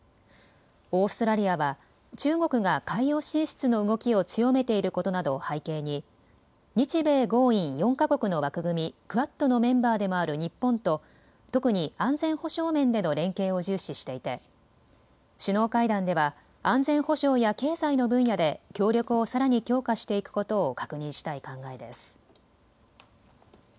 オーストラリアは中国が海洋進出の動きを強めていることなどを背景に日米豪印４か国の枠組み、クアッドのメンバーでもある日本と特に安全保障面での連携を重視していて、首脳会談では安全保障や経済の分野で協力をさらに強化していくことを確認したい考えです。